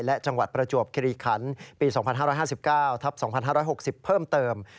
และจังหวัดประจวบคิริขันปี๒๕๕๙ทับ๒๕๖๐เพิ่มเติม